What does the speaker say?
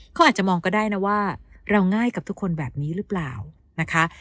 เขาอาจจะมองก็ได้นะว่าเราง่ายกับทุกคนแบบนี้หรือเปล่านะคะ